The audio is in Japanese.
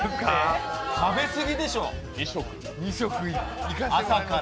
食べ過ぎでしょ、朝から。